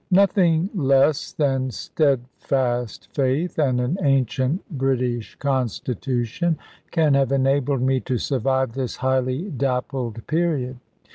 Nothing less than steadfast faith, and an ancient British constitution, can have enabled me to survive this highly dappled period.